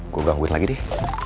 gue gangguin lagi deh